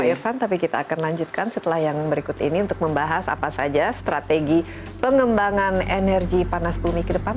pak irfan tapi kita akan lanjutkan setelah yang berikut ini untuk membahas apa saja strategi pengembangan energi panas bumi ke depan